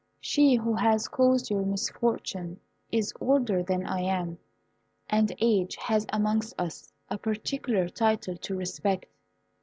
She who has caused your misfortune is older than I am, and age has amongst us a particular title to respect.